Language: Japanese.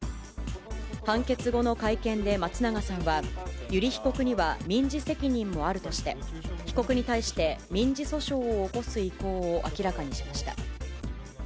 判決後の会見で、松永さんは、油利被告には民事責任もあるとして、被告に対して、民事訴訟を起こす意向を明らかにしました。